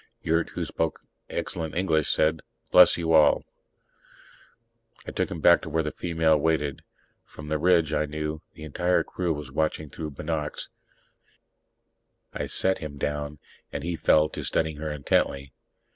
Yurt, who spoke excellent English, said, "Bless you all." I took him back to where the female waited. From the ridge, I knew, the entire crew was watching through binocs. I set him down, and he fell to studying her intently.